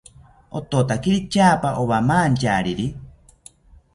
Ototakiri tyaapa owamantyariri